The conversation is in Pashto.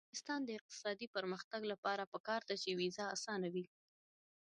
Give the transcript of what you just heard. د افغانستان د اقتصادي پرمختګ لپاره پکار ده چې ویزه اسانه وي.